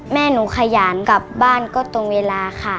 แม่หนูขยานกลับบ้านก็ตรงเวลาค่ะ